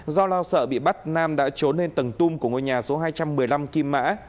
do lo sợ bị bắt nam đã trốn lên tầng tung của ngôi nhà số hai trăm một mươi năm kim mã